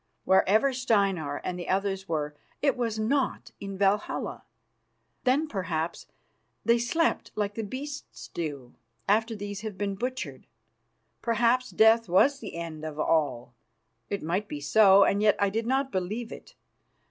Wherever Steinar and the others were, it was not in Valhalla. Then, perhaps, they slept like the beasts do after these have been butchered. Perhaps death was the end of all. It might be so, and yet I did not believe it.